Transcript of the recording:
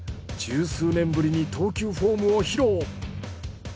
十数年ぶりに投球フォームを披露。